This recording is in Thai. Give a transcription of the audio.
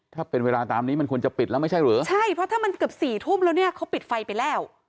ถ้าเป็นเวลาตามนี้มันควรจะปิดแล้วไม่ใช่เหรอใช่เพราะถ้ามันเกือบสี่ทุ่มแล้วเนี่ยเขาปิดไฟไปแล้ว